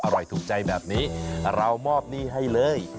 ถูกใจแบบนี้เรามอบหนี้ให้เลย